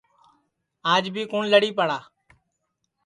آج بھی کُوٹؔ لڑی پڑا